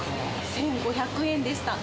１５００円でした。